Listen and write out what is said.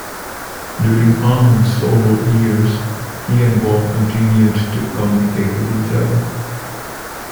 During Almond's solo years, he and Ball continued to communicate with each other.